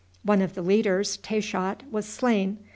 One of the leaders, Taychot, was slain.